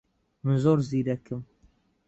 من زۆر زیرەکم.